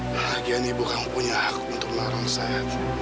kebahagiaan ibu kamu punya aku untuk menarang saya